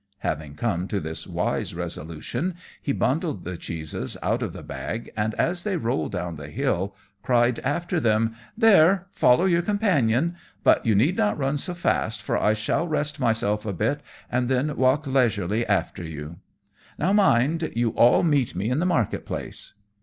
Having come to this wise resolution he bundled the cheeses out of the bag, and, as they rolled down the hill, cried after them, "There, follow your companion; but you need not run so fast, for I shall rest myself a bit and then walk leisurely after you. Now, mind you all meet me in the market place."